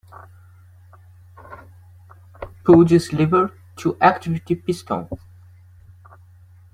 Pull this lever to activate the piston.